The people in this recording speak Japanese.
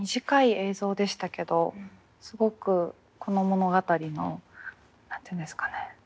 短い映像でしたけどすごくこの物語の何て言うんですかね